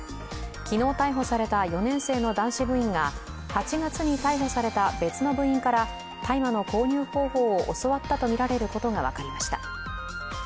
昨日逮捕された４年生の男子部員が８月に逮捕された別の部員から大麻の購入方法を教わったとみられることが分かりました。